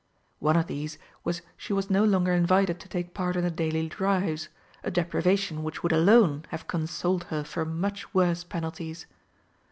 One of these was she was no longer invited to take part in the daily drives, a deprivation which would alone have consoled her for much worse penalties.